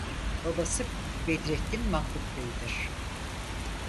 Babası Bedreddin Mahmud Bey'dir.